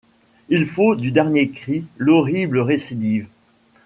Il faut du dernier cri l’horrible récidive ;